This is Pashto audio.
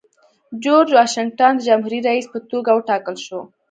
جورج واشنګټن د جمهوري رئیس په توګه وټاکل شو.